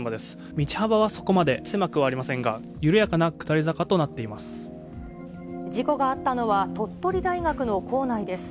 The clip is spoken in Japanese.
道幅はそこまで狭くはありませんが、事故があったのは、鳥取大学の構内です。